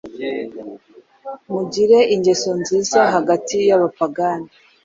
mugire ingeso nziza hagati y’abapagani,